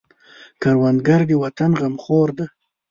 کروندګر د وطن غمخور دی